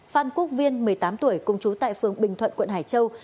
phan quốc viên một mươi tám tuổi cùng chú tại phường bình thuận quận hải châu